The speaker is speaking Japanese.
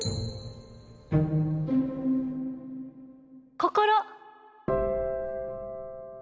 心。